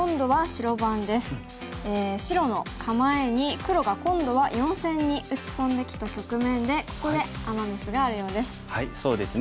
白の構えに黒が今度は４線に打ち込んできた局面でここでアマ・ミスがあるようです。